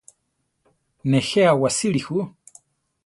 Nejé awasíli ju.